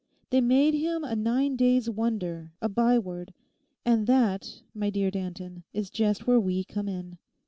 They made him a nine days' wonder, a byword. And that, my dear Danton, is just where we come in.